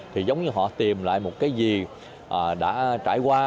thì giống như họ tìm lại một cái gì đã trải qua